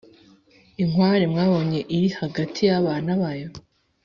Inkware mwabonye iri hagati y'abana bayo,